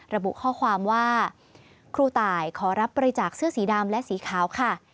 ระบุข้อความว่าครูตายขอรับบริจาคเสื้อสีดำและสีขาวค่ะ